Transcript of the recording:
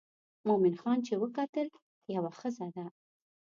مومن خان چې وکتل یوه ښځه ده.